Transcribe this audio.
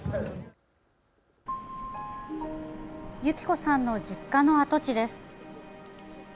由起子さんの実家の跡地です。